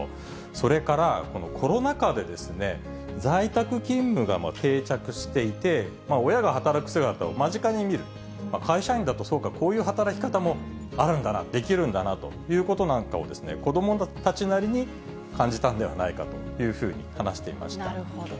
それから、このコロナ禍で、在宅勤務が定着していて、親が働く姿を間近で見る、会社員だとそうか、こういう働き方もあるんだな、できるんだなというなんかを子どもたちなりに感じたんではないかというふうに話していました。